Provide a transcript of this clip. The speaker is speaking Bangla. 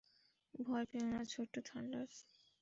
ভয় পেয়ো না, ছোট্ট থান্ডার।